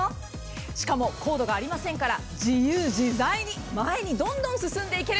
しかも、コードがありませんから自由自在に前にどんどん進んでいける。